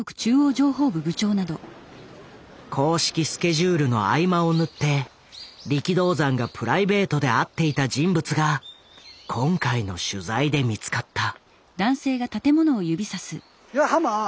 公式スケジュールの合間を縫って力道山がプライベートで会っていた人物が今回の取材で見つかった。